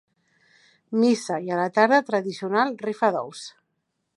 Missa i a la tarda Tradicional rifa d'ous.